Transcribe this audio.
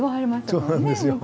そうなんですよ。